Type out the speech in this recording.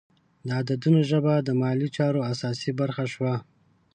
د عددونو ژبه د مالي چارو اساسي برخه شوه.